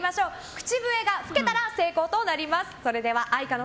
口笛が吹けたら成功となります。